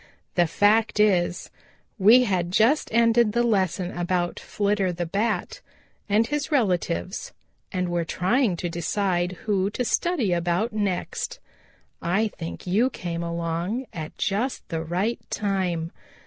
"The fact is, we had just ended the lesson about Flitter the Bat and his relatives, and were trying to decide who to study about next. I think you came along at just the right time.